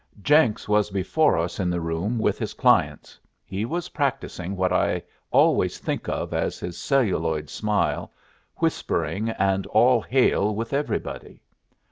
Jenks was before us in the room with his clients. He was practising what I always think of as his celluloid smile, whispering, and all hail with everybody.